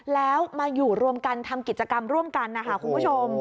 แล้วมาอยู่รวมกันทำกิจกรรมร่วมกันนะคะคุณผู้ชม